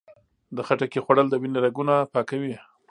د خټکي خوړل د وینې رګونه پاکوي.